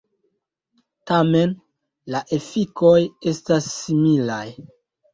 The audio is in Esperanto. Tamen la efikoj estas similaj.